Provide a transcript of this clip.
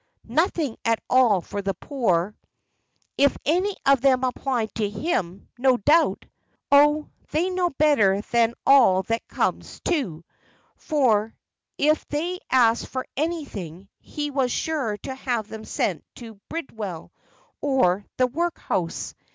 "Nothing at all for the poor." "If any of them applied to him, no doubt " "Oh! they knew better than all that comes to; for if they asked for anything, he was sure to have them sent to Bridewell, or the workhouse.